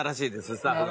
スタッフが。